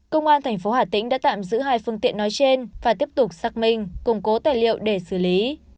công an thành phố hà tĩnh đã tạm giữ hai phương tiện nói trên và tiếp tục xác minh củng cố tài liệu để xử lý